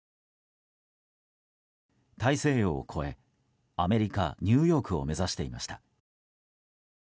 大西洋を越えアメリカ・ニューヨークを目指していました。